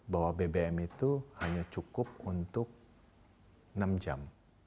bahwa bbm itu hanya cukup untuk enam jam